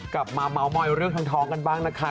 มาเมาส์มอยเรื่องท้องกันบ้างนะคะ